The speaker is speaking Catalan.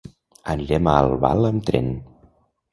Anirem a Albal amb tren.